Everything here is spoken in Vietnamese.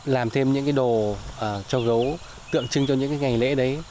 làm thêm những đồ cho gấu tượng trưng cho những ngày lễ đấy